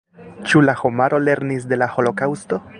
Ĉu la homaro lernis de la holokaŭsto?